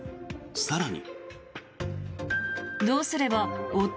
更に。